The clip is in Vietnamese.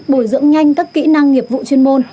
bồi dưỡng nhanh các kỹ năng nghiệp vụ chuyên môn